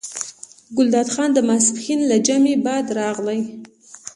ګلداد خان د ماسپښین له جمعې وړاندې راغی.